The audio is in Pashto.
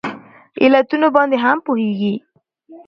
علتونو باندې هم پوهیږي